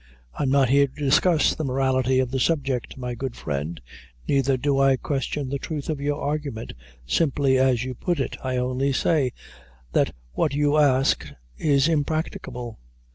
"I'm not here to discuss the morality of the subject, my good friend, neither do I question the truth of your argument, simply as you put it. I only say, that what you ask, is impracticable.